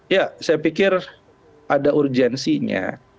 ya saya pikir ada urgensinya